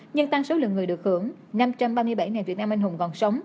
nhưng tăng số lượng người được hưởng năm trăm ba mươi bảy việt nam anh hùng còn sống